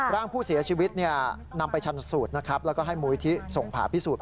ร่างผู้เสียชีวิตนำไปชันสูตรนะครับแล้วก็ให้มูลิธิส่งผ่าพิสูจน์